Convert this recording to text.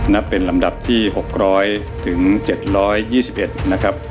นับเป็นลำดับที่หกร้อยถึงเจ็ดร้อยยี่สิบเอ็ดนะครับ